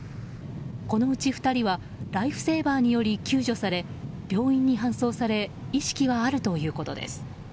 このうち２人はライフセーバーにより救助され病院に搬送され意識はあるということです。